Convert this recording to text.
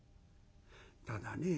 ただね